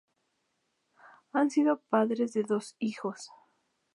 Han sido padres de dos hijos.